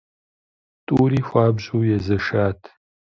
ТӀури хуабжьу езэшат.